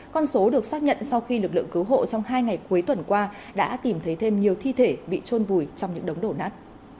con số được xác nhận sau khi lực lượng cứu hộ trong hai ngày cuối tuần qua đã tìm thấy thêm nhiều thi thể bị trôn vùi trong những đống đổ nát